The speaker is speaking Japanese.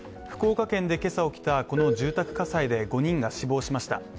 福岡県で今朝起きたこの住宅火災で５人が死亡しました。